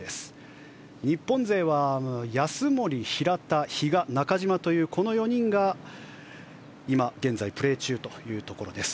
日本勢は安森、平田、比嘉、中島という４人が今現在プレー中というところです。